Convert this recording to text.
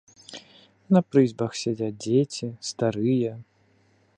На прызбах сядзяць дзеці, старыя.